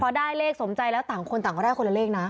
พอได้เลขสมใจแล้วต่างคนต่างก็ได้คนละเลขนะ